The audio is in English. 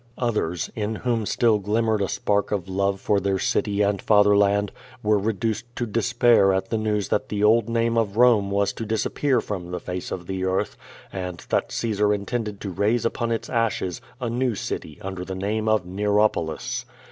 Others, in whom still glinmiered a spark of love for their city and father land, were reduced to despair at the news that the old name of liome was to disappear from the face of the earth, and that Caesar intended to raise upon its ashes, a new city under the name of Xeropolis.